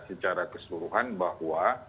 secara keseluruhan bahwa